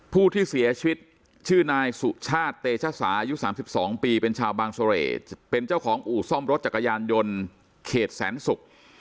ผู้ที่เสียชีวิตชื่อนายสุชาติเตชสายุ๓๒ปีเป็นชาวบางเสร่เป็นเจ้าของอู่ซ่อมรถจักรยานยนต์เขตแสนศุกร์